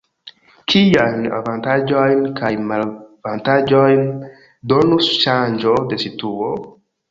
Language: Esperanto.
Kiajn avantaĝojn kaj malavantaĝojn donus ŝanĝo de situo?